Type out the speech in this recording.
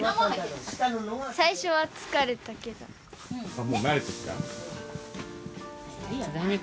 あっもう慣れてきた？